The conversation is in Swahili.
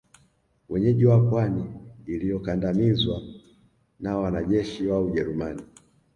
wenyeji wa pwani iliyokandamizwa na wanajeshi wa Ujerumani